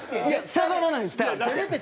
下がらないんですって。